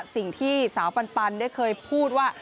สิ่งที่สาวปันได้เคยพูดว่า